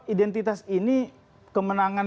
identitas ini kemenangan